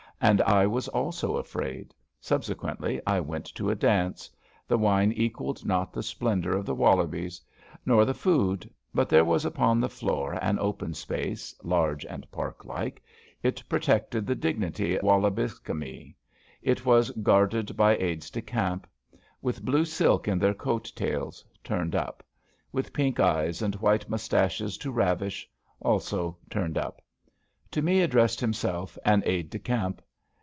And I was also afraid. Sub sequently I went to a dance. The wine equaled not the splendour of the Wollobies. Nor the food. But there was upon the floor an open space — ^large and park like. It protected the dig nity WoUobicallisme. It was guarded by Aides de Camp. With blue silk in their coat tails — 56 ABAFT THE FUNNEL turned up. With pink eyes and white moustaches to ravish. Also turned up. To me addressed himself an Aide de Camp.